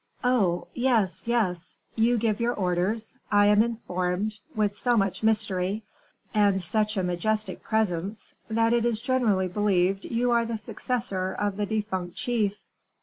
"Oh! yes, yes. You give your orders, I am informed, with so much mystery, and such a majestic presence, that it is generally believed you are the successor of the defunct chief."